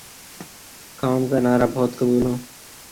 کام کا نعرہ بہت مقبول ہوا